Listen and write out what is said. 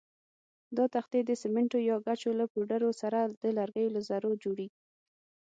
دا تختې د سمنټو یا ګچو له پوډرو سره د لرګیو له ذرو جوړېږي.